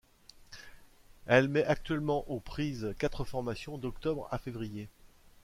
Elle met actuellement aux prises quatre formations d'octobre à février.